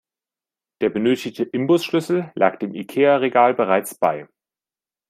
Der benötigte Imbusschlüssel lag dem Ikea-Regal bereits bei.